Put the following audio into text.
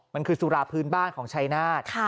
มันคือสุราพื้นบ้านของชายนาฏ